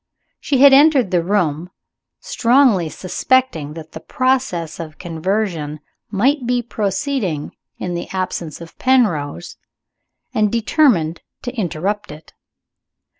She had entered the room, strongly suspecting that the process of conversion might be proceeding in the absence of Penrose, and determined to interrupt it.